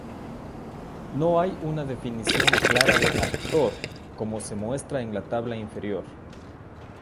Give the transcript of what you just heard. No hay una definición clara de "actor", como se muestra en la tabla inferior.